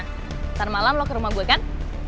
ntar malem lo ke rumah gue kan